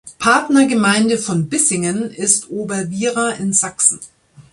Partnergemeinde von Bissingen ist Oberwiera in Sachsen.